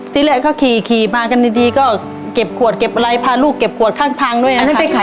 ที่แรกก็ขี่มากันดีก็เก็บขวดเก็บอะไรพาลูกเก็บขวดข้างทางด้วยนะ